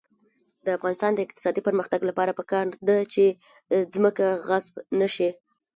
د افغانستان د اقتصادي پرمختګ لپاره پکار ده چې ځمکه غصب نشي.